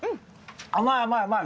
甘い甘い甘い。